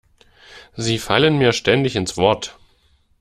Sie fallen mir ständig ins Wort.